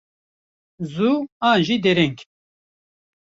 Zû an jî dereng.